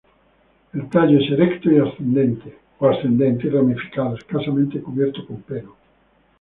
El tallo es erecto o ascendente y ramificado, escasamente cubierta con pelo.